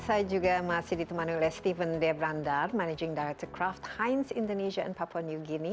saya juga masih ditemanu oleh steven debrandar managing director kraft heinz indonesia and papua new guinea